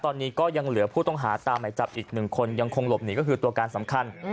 ตอนนี้ก็ยังเหลือผู้ต้องหาตามหมายจับอีกหนึ่งคนยังคงหลบหนีก็คือตัวการสำคัญ